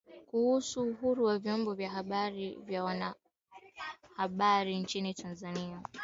kuhusu uhuru wa vyombo vya habari na wanahabari nchini Tanzania